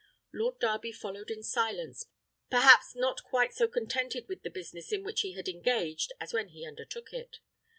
Lord Darby followed in silence, perhaps not quite so contented with the business in which he had engaged as when he undertook it.